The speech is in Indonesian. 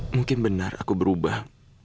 mungkin benar aku berubah